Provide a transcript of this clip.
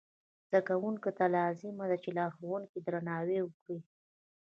زده کوونکو ته لازمه ده چې د لارښوونکو درناوی وکړي.